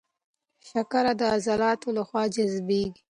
شکر د عضلاتو له خوا جذبېږي.